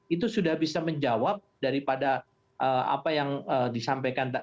itu sudah bisa menjawab daripada apa yang disampaikan